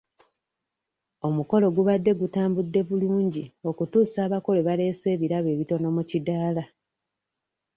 Omukolo gubadde gutambudde bulungi okutuusa abako lwe baleese ebirabo ebitono mu kiddaala.